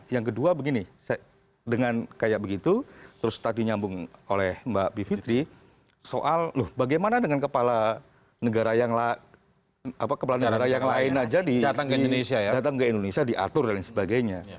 yang kedua begini dengan kayak begitu terus tadi nyambung oleh mbak bivitri soal loh bagaimana dengan kepala negara kepala negara yang lain aja datang ke indonesia diatur dan sebagainya